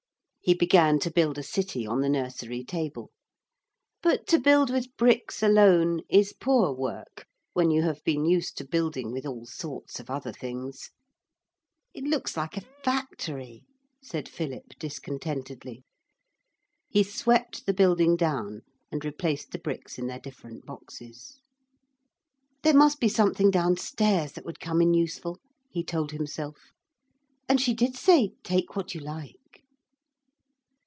He began to build a city on the nursery table. But to build with bricks alone is poor work when you have been used to building with all sorts of other things. 'It looks like a factory,' said Philip discontentedly. He swept the building down and replaced the bricks in their different boxes. 'There must be something downstairs that would come in useful,' he told himself, 'and she did say, "Take what you like."'